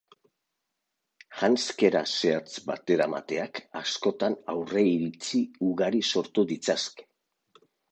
Janzkera zehatz bateramateak askotan aurreiritzi ugari sortu ditzazke.